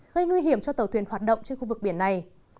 gây nguy hiểm cho tàu thuyền hoạt động trên khu vực biển này